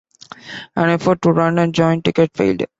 An effort to run a joint ticket failed.